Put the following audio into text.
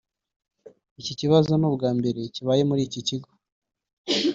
Iki kibazo ni ubwa mbere kibaye muri iki kigo